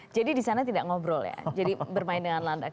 jadi di sana tidak ngobrol ya jadi bermain dengan landak